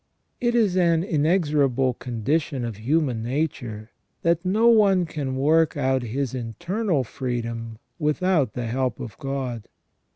It is an inexorable condition of human nature that no one can work out his internal freedom without the help of God.